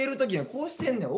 こうしてんねん。